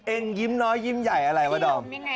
ยิ้มน้อยยิ้มใหญ่อะไรวะดอม